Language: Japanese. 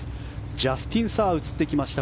ジャスティン・サー映ってきました。